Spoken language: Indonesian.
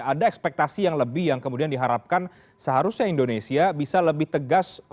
ada ekspektasi yang lebih yang kemudian diharapkan seharusnya indonesia bisa lebih tegas